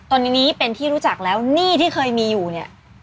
ตอนนี้นี้เป็นที่รู้จักแล้วหนี้ที่เคยมีอยู่เนี่ย